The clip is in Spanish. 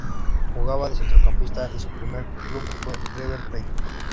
Jugaba de centrocampista y su primer club fue River Plate.